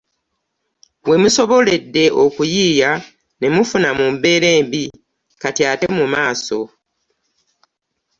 We musoboledde okuyiiya ne mufuna mu mbeera embi kati ate mu maaso!